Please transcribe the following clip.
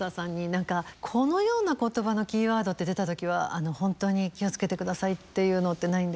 何かこのような言葉のキーワードって出た時は本当に気を付けてくださいっていうのってないんですか？